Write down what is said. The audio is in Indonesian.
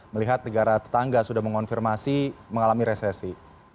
melihat negara tetangga sudah mengonfirmasi mengalami resesi